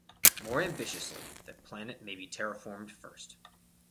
More ambitiously, the planet may be terraformed first.